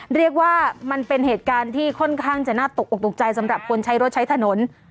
เรียกว่ามันเป็นเหตุการณ์ที่ค่อนข้างจะน่าตกออกตกใจสำหรับคนใช้รถใช้ถนน